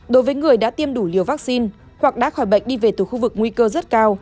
đối với người đã tiêm đủ liều vaccine hoặc đã khỏi bệnh đi về từ khu vực nguy cơ rất cao